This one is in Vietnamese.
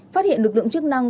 phát hiện lực lượng chức năng